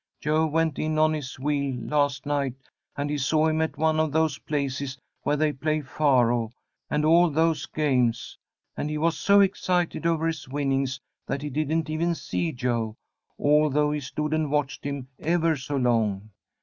Jo went in on his wheel, last night, and he saw him at one of those places where they play faro, and all those games, and he was so excited over his winnings that he didn't even see Jo, although he stood and watched him ever so long.